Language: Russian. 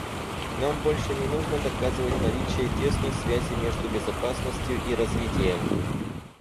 Нам больше не нужно доказывать наличие тесной связи между безопасностью и развитием.